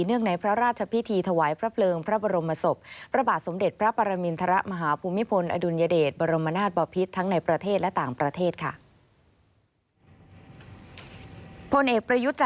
ในพระราชพิธีถวายพระเพลิงพระบรมศพพระบาทสมเด็จพระปรมินทรมาฮภูมิพลอดุลยเดชบรมนาศบอพิษทั้งในประเทศและต่างประเทศค่ะ